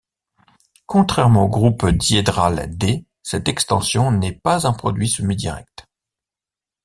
Contrairement au groupe diédral D, cette extension n'est pas un produit semi-direct.